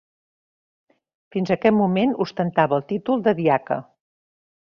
Fins a aquest moment ostentava el títol de diaca.